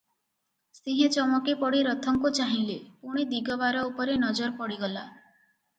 ସିଂହେ ଚମକି ପଡ଼ି ରଥଙ୍କୁ ଚାହିଁଲେ, ପୁଣି ଦିଗବାର ଉପରେ ନଜର ପଡିଗଲା ।